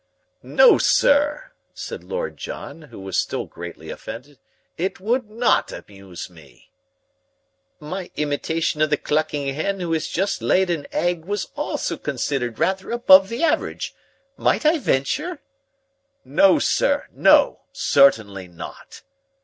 "No, sir," said Lord John, who was still greatly offended, "it would not amuse me." "My imitation of the clucking hen who had just laid an egg was also considered rather above the average. Might I venture?" "No, sir, no certainly not."